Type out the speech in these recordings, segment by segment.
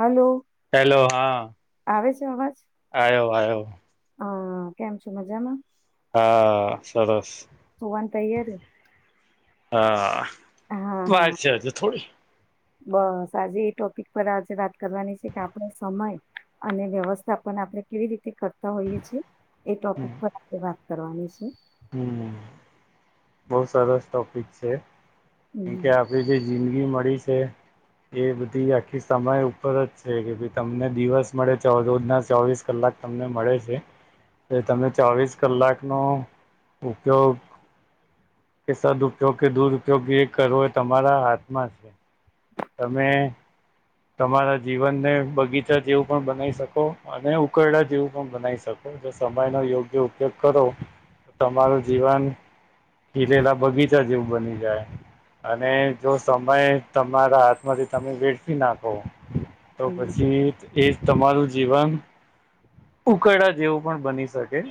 Hello hello હા આવે છે અવાજ? આવ્યો આવ્યો હઅઅ કેમ છો? મજામાં? હઆઆ સરસ. સુવાની તૈયારી હઆઆ હા વાત હા છે હજુ થોડી. બસ આજે એ ટોપિક પર આજે વાત કરવાની છે કે આપડે સમય અને વ્યવસ્થાપન આપડે કેવી રીતે કર તા હોઈએ છીએ એ ટોપિક પર આપણે વાત કરવાની છે. હમમ બવુ સરસ ટોપિક છે. કેમ કે હમ આપડી જે જિંદગી મળી છે એ બધી આખી સમય ઉપર જ છે કે ભઈ તમને દિવસ મળે ચોઓઅ રોજ ના ચોવીસ કલાક તમને મળે છે એ તમે ચોવીસ કલાક નો ઉપયોગ કે સદઉપયોગ કે દુરપયોગ એ કરવો એ તમારા હાથમાં છે. તમેએ તમારા જીવનને બગીચા જેવું પણ બનાઈ શકો અને ઉકરડા જેવું પણ બનાઈ શકો. જો સમય નો યોગ્ય ઉપયોગ કરો તો તમારું જીવન ખીલેલા બગીચા જેવું બની જાય અને જો સમય તમારા હાથમાંથી તમે વેઠફી નાખો તો હમ પછી એ તમારું જીવન ઉકરડા જેવું પણ બની શકે.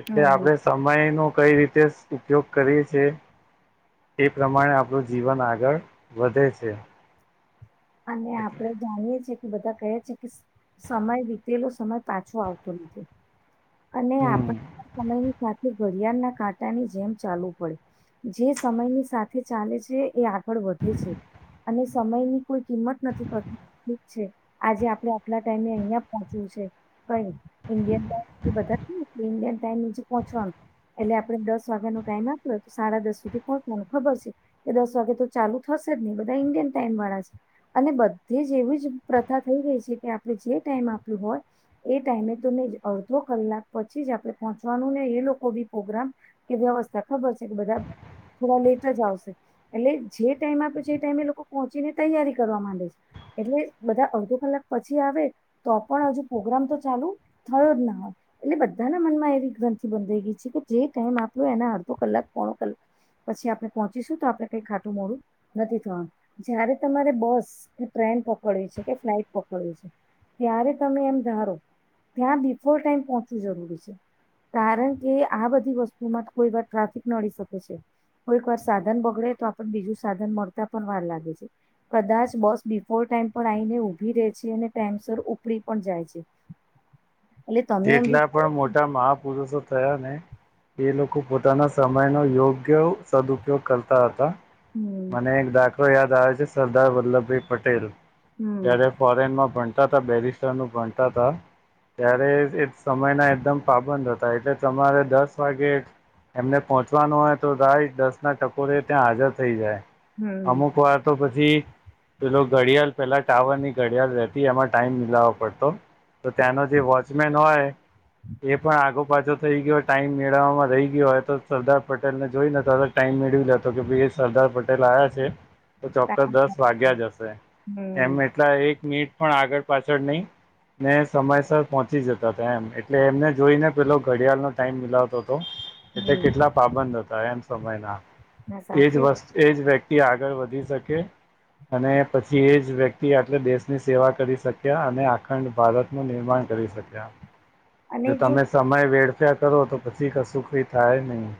એટલે હમ આપડે સમય નું કઈ રીતે તેસ ઉપયોગ કરીએ છે એ પ્રમાણે આપણું જીવન આગળ વધે છે. જે અને આપણે જાણીએ છીએ બધા કહે છે કે સઅ સમય વીતેલો સમય પાછો આવતો નથી. અને હમ આપણે પણ સમય ની સાથે ઘડિયાલના કાંટા ની જેમ ચાલવું પડે જે સમયની સાથે ચાલે છે એ આ ફળ [unintelligible] વધે છે અને સમયની કોઈ કિંમત નથી કરતું ઠીક છે આજે આપણે આટલા ટાઈમે અહિયાં પહોંચવું છે. કઈઈ ઇન્ડિયન ટાઈમ એ બધા ઇન્ડિયન ટાઈમ નીચે પહોંચવાનું એટલે આપડે દસ વાગ્યા નો ટાઈમ આપ્યો તો સાડા દસ સુધી પહોંચવાનો ખબર છે કે દસ વાગે તો ચાલુ થશે ન [unintelligible] બધા ઇન્ડિય ટાઈમ વાળા છે. અને બધે જ એવી જ પ્રથા થઈ ગઈ છે કે આપણે જે ટાઈમ આપ્યો હોય એ ટાઈમે ને [unintelligible] અડધો કલાક પછી જ આપડે પહોંચવાનું ને એ લોકો બી પ્રોગ્રામ કે વ્યવસ્થા ખબર છે એ બધા થોડા લેટ જ આવશે એટલે જે ટાઈમ આપ્યો છે એ ટાઈમે લોકો પહોંચીને તૈયારી કરવા માંડે છે એટલે બધા અડધો કલાક પછી આવે તો પણ હજુ પ્રગ્રામ તો ચાલુ થયો જ ના હોય એટલે બધાના મનમાં એવી ગ્રંથિ બંધઈ ગઈ છે કે જે ટાઈમ આપ્યો એના અડધો કલાક પઅઅ પછી આપણેે પહોચીશું તો આપડે કઈ ખાટું મોડું નથી થવાનું જયારે તમારે બસ કે ટ્રેન પકડવી છે કે ફ્લાઇટ પકડવી છે ત્યારે તમે એમ ધારો ત્યાં બિફોર ટાઈમ પહોંચવું જરૂરી છે. કારણ કે આ બધી વસ્તુમાં કોઈ વાર ટ્રાફિક નડી શકે છે. કોઈક વાર સાધન બગડે તો આપને બીજું સાધન મળતા પણ વાર લાગે છે. કદાચ બસ બિફોર ટાઈમ પણ આઈઈને ઊભી રે છે અને ટાઈમસર ઉપડી પણ જાય છે. ખાલી જેટલા પણ મોટા મહાપુરુષો થયા ને એ લોકો પોતાના સમયનો યોગ્ય સદુપયોગ કરતા હતા. હમ મને એક દાખલો યાદ આવે છે સરદાર વલ્લભભાઈ પટેલ. હમ જયારે ફોરેન માં ભણતાતા બેરિસ્ટર નું ભણતાતા ત્યારે એ સમયના એકદમ પાબંદ હતા એટલે તમારે દસ વાગે એમને પહોંચવાનું હોય તો રાય દસ ના ટકોરે ત્યાં હાજર થઇ જાય. હમ અમુક વાર તો પછી પેલો ઘડિયાળ પેલા ટાવર ની ઘડિયાળ રહેતી એમાં ટાઈમ મિલાવો પડતો તો ત્યાંનો જે વોચમેન હોય એ પણ આગો પાછો થઈ ગયો હોય ટાઈમ મેળવવામાં રહી ગયો હોય તો સરદાર પટેલ ને જોઈને તરત ટાઈમ મેળવી લેતો કે ભાઈ સરદાર પટેલ આવ્યા છે. તો ચોક્કસ દસ વાગ્યા જ હશે એમ હમ એટલા એક મિનિટ પણ આગળ પાછળ નહીં ને સમયસર પહોંચી જતા હતા એમ એટલે એમને જોઈને પેલો ઘડિયાળનો ટાઈમ મિલાવતો હતો. એટલે હમ કેટલા પાબંદ હતા એમ સમયના ના સાચી વાત એજસ્ એજ વક્તિ આગળ વધી શકે. અને પછી એ જ વ્યક્તિ આટલે દેશની સેવા કરી શક્યા અને આખંડ ભારતનુંું નિર્માણ કરી શક્યા જો તમે સમય વેળ ્યા કરો તો પછી કશું કઈ થાય નહીિ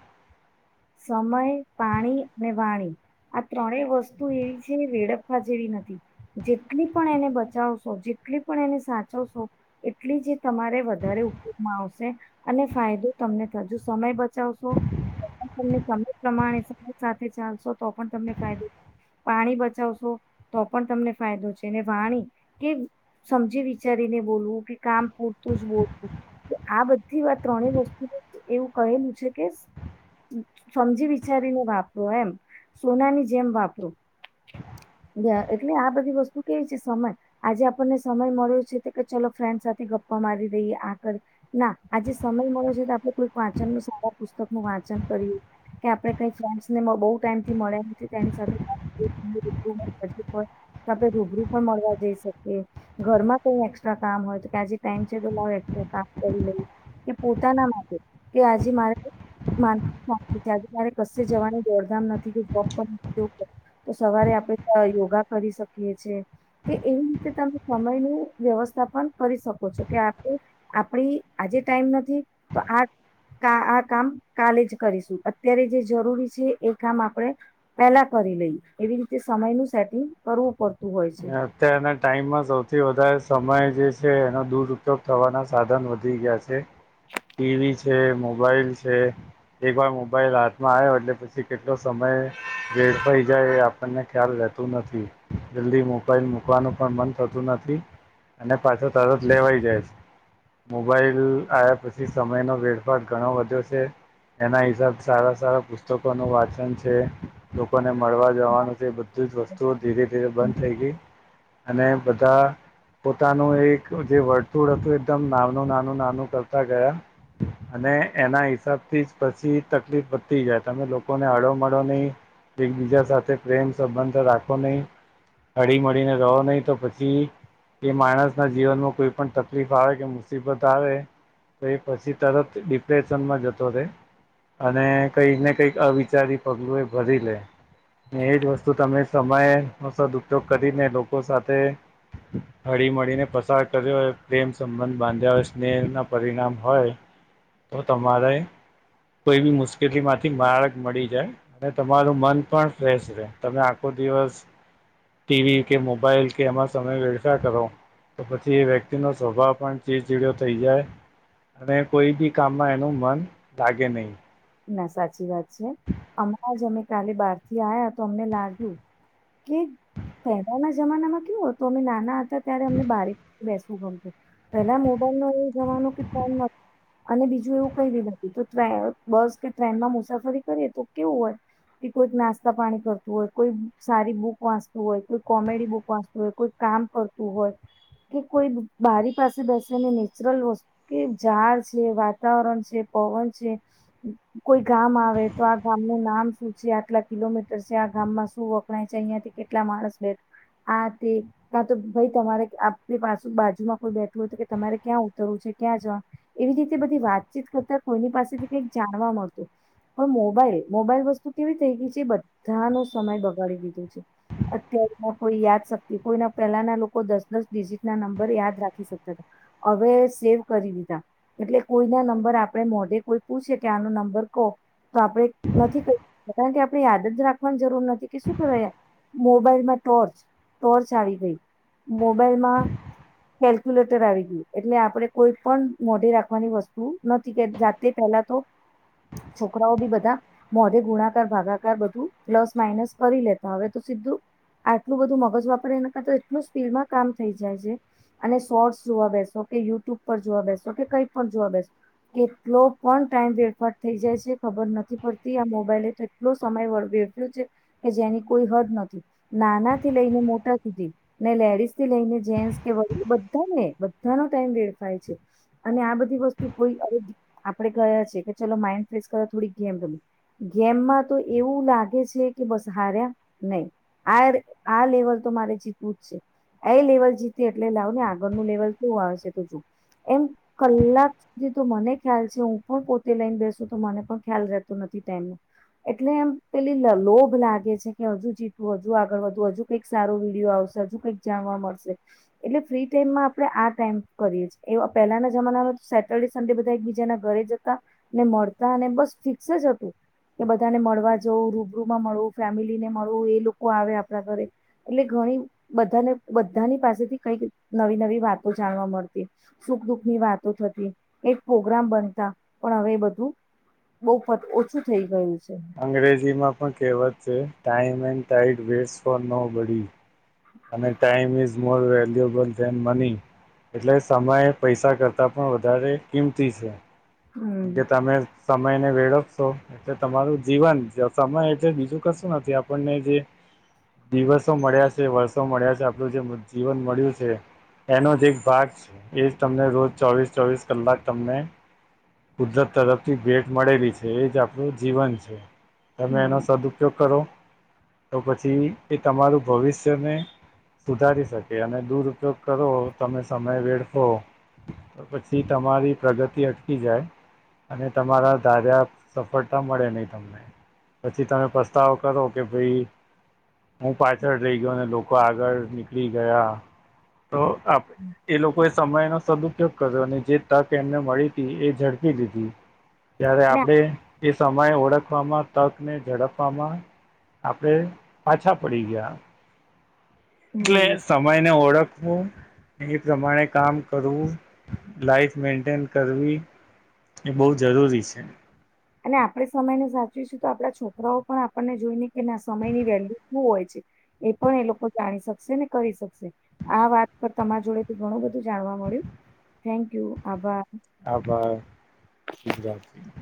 સમય પાણી અને વાણી આ ત્રણેય વસ્તુ એવી છે વેડપવા જેવી નથી. જેટલી પણ એને બચાવશો જેટલી પણ એને સાચવશો એટલી જ તમારે વધારે. યોગમાં આવશે અને ફાયદો તમને થજુ સમય બ ત સમય પ્રમાણે સમય સાથે ચાલશો તો પણ તમને ફાયદો પાણી બચાવશો તો પણ તમને ફાયદો છે ને વાણી કે. સમજી વિચારીને બોલવું કે કામ પૂરતું જ બોલું આ બધી ત્રણે વસ્તુ એવું કહેલું છે કે. સમજી વિચારીને વાપરો એમ સોનાની જેમ વાપરો. એટલે આ બધી વસ્તુ કેવી છે સમય આજે આપણને સમય મળ્યો છે તો કે ચલો ફ્રેન્ડ સાથે ગ રહી આળ ના આજે સમય મળે છે તો આપણે કોઈક વાંચન ન સારા પુસ્તક નું વાંચન કરી કે આપણે કઈ ફન્ડને બહ ટાઈમથી મળ્યા નથી તેની સાથે વા [inaudible] તો આપડે રૂબરૂ પણ મળવા જઈ શકીએ ઘરમાં કઈ એક્સ્ટ્રા કામ હોય તો કે આજે ટાઈમ છે તો કે પોતાના માટે કે આજે મારે માન આજે મારે ક જવાની દોડધામ નથી કે તો સવારે આપડે યોગા કરી શકી છે કે એવી રીતે તમે સમય ન વ્યવસ્થા પણ કરી શકો છો કે. આપ આજે ટાઈમ નથી તો આ આ કામ કાલે જ કરીશું અત્યારે જે જરૂરી છે એ કામ આપણે પેલા કરી લઈ એવી રીતે સમયનું કરવું પડ. અત્યારના ટાઈમમાં સૌથી વધારે સમય જે છે એનો દુર ઉપયોગ થવાના સાધન વધી ગયા છે. ટીવી છે મોબાઈલ છે એક વાર મોબાઈલ હાથમાં આવ્યો એટલે પછી કેટલો સમય ે થઈ જાય એ આપણને ખ્યાલ રહેતું નથી. જલ્દી મોબાઈલ મૂકવાનું પણ મન થતું નથી અને પાછો તરત લેવાઈ જાય છે. મોબાઈલ આવ્યા પછી સમય ન વેડફાાર ઘણો વધ્યો છે. એના હિસાબ સારા સારા પુસ્તકો ન વાંચન છે લોકોને મળવા જવાનું છે બધું વસ્તુઓ ધીરે ધીરે બંધ થઈ ગઈ અને બધા. પોતાનું એક જે વર્તુળ હતું એકદમ નાનું નાનું નાનું કરતા ગયા અને એના હિસાબથી જ પછી તકલીફ વધતી જાય તમે લોકોને હડો માડો નની એકબીજા સાથે પ્રેમ સંબંધ રાખો નહી. અડીી મળીને રહો નહીિ તો પછી કે માણસ ના જીવનમાં કોઈ પણ તકલીફ આવે કે મુસીબત આવે તો એ પછી તરત ડિપ્રેશનમાં જતો રહેે. અને કઈક ને કઈક અવિચારી પગલું એ ભરી લે એજ વસ્તુ તમે સમયનો સદઉપયોગ કરીને લોકો સાથે હળી મળળીને પસાર કર્યો હોય પ્રેમ સંબંધ બાંધ્યા હોય સ્નેહના પરિણામ હોય. તો તમારે કોઈ બી મુશ્કેલી માંથી માારક મળી જાય અને તમારું મન પણ ફ્રેશ રહે તમે આખો દિવસ [unintelligible] ટીવી કે મોબાઈલ કે એમા સમય વવથા કરો તો પછી એ વ્યક્તિ ન સ્વભાવ પણ ચીડ ચીડયો થઈ જાય અને કોઈ બી કામમાં એનું મન લાગે નહીિ ના સાચી વાત છે અમણાં જ અમે કાલે બાર થી આયા તો અમને લાગ્યું કે પહેલાના જમાનામાં કેવ હતોું અમે નાના હતા ત્યારે અમને બાહાર બેસું ગમતું પેલા મોબાઈલ ન એ જવાનુ કન નથી અને બીજું એવું કઈ નથી તો બસ કે ટ્રેનમાં મુસાફરી કરીએ તો કેવું હોય કે કોઈક નાસ્તા પાણી કરતું હોય કોઈ સારી બુક વાંચતું હોય કોઈ કોમેડી બુક વાંચતું હોય કોઈ કામ કરતું હોય કે કોઈ બારી પાસે બેસેને નેચરલ વુ કે ઝાડ છે વાતાવરણ છે પવન છે કોઈ ગામ આવે તો આ ગામ નું નામ શું છે આટલા કિલોમીટર છે આ ગામમાં શું વ ાય છે અહિયાં થી કેટલા માણસ બેઠ આ તે કા તો ભાઈ તમારે આપણી પાછું બાજુમાં કોઈ બેઠું હોય તો કે તમારે ક્યાં ઉતરવું છે ક્યાં જવા એવી રીતે બધી વાતચીત કરતા કોઈની પાસેથી કઈક જાણવા મળતું પણ મોબાઈલ મોબાઈલ વસ્તુ કેવી થઈ ગઈ છે એ બધાનો સમય બગાડી દીધો છે અત્ય્યારે કોઈ યાદ શક્તિ કોઈ પહેલાના લોકો દસ દસ ડિજિટ ના નંબર યાદ રાખી શકતા હતા હવે સેવ કરી દીધા એટલે કોઈ ના નંબર આપણે મોઢે કોઈ પૂછ ક્યા આનું નંબર કોહો તો આપણે નથી કરી કારણ કે આપણે યાદ જ રાખવાની જરૂર નથી કે શું કરે મોબાઈલમાં ટોર્ચ ટોર્ચ આવી ગઈ મોબાઈલમાં કેલ્ક્યુલેટર આવી ગયું એટલે આપે કોઈ પણ મોઢે રાખવાની વસ્તુ નથી કે જાતે પલા તો છોકરાઓ બી બધા મોઢે ગુણાકાર ભાગાકાર બધું પ્લસ માઇનસ કરી લેતા હવે તોી આટલું બધું મગજ વાપરે એના કરતા એટલું સ્પીડમાં કામ થઈ જાય છે અને શોર્ટસ જોવા બેસો કે યુટ્યુબ પર જોવા બેસો કે કઈ પણ જોવા બેસ કેટલો પણ ટાઈમ વેરફાટ થઈ જાય છે ખબર નથી પડતી આ મોબાઈલે તો એટલો સમય વેફ્યો છે કે જેની કોઈ હદ નથી નાના થી લઈને મોટા સુધી ને લેડીસ થી લઈને જેસ કે બધા ને બધાનો ટાઈમ વેસ્ટ થાય છે અને આ બધી વસ્તુ કોઈ આપડે ગયા છીએ કે ચલો માઈન્ડ ફ્રેશ કરવા થોડીક ગેમ રમી ગેમમાં તો એવું લાગે છે કે બસ હાર્યા નહી આ આ લેવલ તો મારે જીતવું જ છે એ લેવલ જીતી એટલે લાવ ને આગળનું લેવલ શું આવેશે તો જોુ એમ કલાક સુધી તું મને ખ્યાલ છે, હું પણ પોતે લઈને બેસુ તો મને પણ ખ્યાલ રહેતો નથી ટાઈમનો. એટલે એમ પેલી લ લોભ લાગે છે, કે હજુ જીતવું હજુ આગળ વધવું હજુ કઈક સારો વિડિઓ આવ સે આજુ કંઈક જાણવા મળસે એટલે ફ્રી ટાઈમમાં આપણે આ ટાઈમ કરીએ છ એવા પેલાના જમાનામાં સેટરડે સન્ડે બધા એકબીજાના ઘરે જતા ને મળતા અને બસ ફિક્સ જ હતું કે બધાને મળવા જવું રૂબરૂમાં મળવું ફેમિલી ને મળવું એ લોકો આવે આપણા ઘરે એટલે ઘણી બધાને બધાની પાસેથી કઈક નવી નવી વાતો જાણવા મળતી સુખ દુઃખની વાતો થતી એક પ્રોગ્રામ બનતા પણ હવે એ બધું બહફત ઓછું થઈ ગયું છે. અંગ્રેજીમાં પણ કહેવત છે, time and tide waste for nobody અને time is more valuable than money એટલે સમયે પૈસા કરતા પણ વધારે કિંમતી છે, હમ કે તમે સમયને વેળફશો એટલે તમારું જીવન જ સમય એટલે બીજું કશું નથી આપણને જે દિવસો મળ્યા છે, વર્ષો મળ્યા છે, આપણું જે જીવન મળ્યું છે, એનો જ એક ભાગ છે, એ જ તમને રોજ ચોવીસ ચોવીસ કલાક તમને કુદરત તરફથી ભેટ મળેલી છે, એ જ આપણું જીવન છે. તમે એનો હમ સદઉપયોગ કરો તો પછી એ તમારું ભવિષ્યને સુધારી શકે અને દુરપયોગ કરો તમે સમય વેડફો તો પછી તમારી પ્રગતિ અટકી જાય અને તમારા ધાર્યા સફળતા મળે નહી તમને પછી તમે પસ્તાવ કરો કે ભાઈ હું પાછળ રહી ગયો અને લોકો આગળ નીકળી ગયા તો આ એ લોકોએ સમયનો સદઉપયોગ કર્યો અને જે તક એમને મળી હતી એ ઝડપ પી દીધી ત્યારે ને આપણે એ સમય ઓળખવામાં તકને ઝડપવામાં આપડે પાછા પડી ગયા એટલે હમ સમય ને ઓળખ નો એ પ્રમાણે કામ કરવું લાઈફ મેન્ટેન કરવી એ બહુ જરૂરી છે. અને આપણેે સમય ને સાચવીશું તો આપડા છોકરાઓ પણ આપણને જોઈ ને કે ના સમયની વેલ્યુ શું હોય છે, એ પણ એ લોકો જાણી શકશે ને કરી શકશે આ વાત પર તમારા જોડે થી ઘણું બધું જાણવા મળ્યું થેન્કયુ આભાર. આભાર [unintelligible]